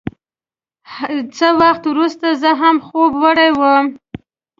څه وخت وروسته زه هم خوب وړی وم.